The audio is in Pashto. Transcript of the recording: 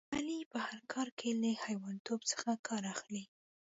علي په هر کار کې له حیوانتوب څخه کار اخلي.